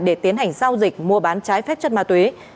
để tiến hành giao dịch mua bán trái phép chất ma túy